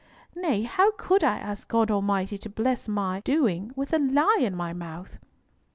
Nay, how could I ask God Almighty to bless my doing with a lie in my mouth?"